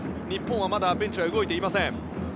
日本はまだベンチが動いていません。